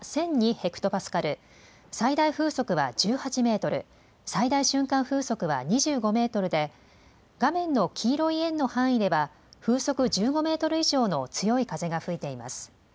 ヘクトパスカル、最大風速は１８メートル、最大瞬間風速は２５メートルで、画面の黄色い円の範囲では、風速１５メートル以上の強い風が吹いています。